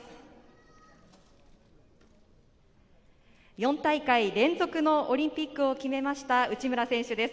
４大会連続のオリンピックを決めました、内村選手です。